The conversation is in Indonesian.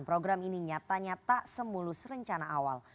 program ini nyatanya tak semulus rencana awal